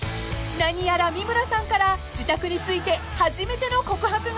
［何やら三村さんから自宅について初めての告白があるようです］